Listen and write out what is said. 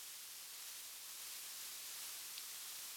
为三立艺能旗下艺人。